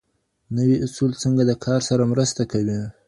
نوي اصول څنګه د کار سره مرسته کوي؟